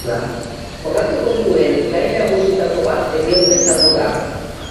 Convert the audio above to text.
Jorratuko duen gai nagusietako bat heriotza izango da.